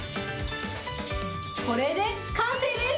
これで完成です。